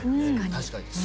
確かに。